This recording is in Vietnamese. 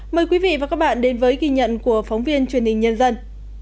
mời quý vị và các bạn đến với ghi nhận của phóng viên truyền hình nhân dân